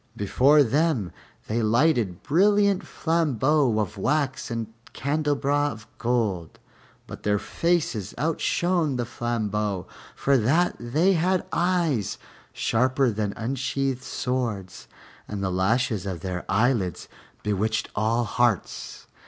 Before them they lighted brilliant flambeaux of wax in candelabra of gold, but their faces outshone the flambeaux, for that they had eyes sharper than unsheathed swords and the lashes of their eyelids bewitched all hearts.